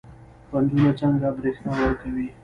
بندونه څنګه برښنا ورکوي؟